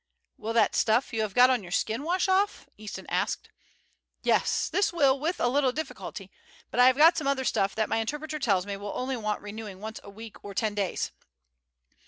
"Will that stuff you have got on your skin wash off?" Easton asked. "Yes, this will with a little difficulty; but I have got some other stuff that my interpreter tells me will only want renewing once a week or ten days."